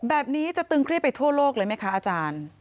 แบบนี้จะตึงเครียดไปทั่วโลกเลยไหมคะอาจารย์